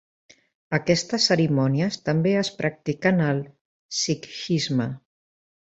Aquestes cerimònies també es practiquen al sikhisme.